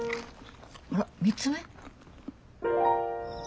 あら３つ目？